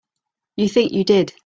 You think you did.